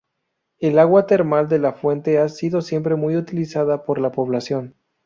El agua termal de la fuente ha sido siempre muy utilizada por la población.